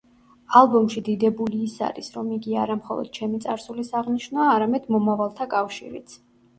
ალბომში დიდებული ის არის, რომ იგი არა მხოლოდ ჩემი წარსულის აღნიშვნაა, არამედ მომავალთა კავშირიც.